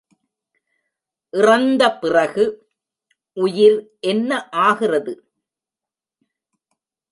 இறந்த பிறகு உயிர் என்ன ஆகிறது?